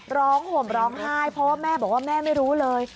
ห่มร้องไห้เพราะว่าแม่บอกว่าแม่ไม่รู้เลย